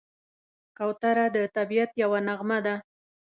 کوتره د طبیعت یوه نغمه ده.